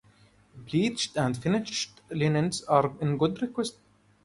Bleached and finished linens are in good request.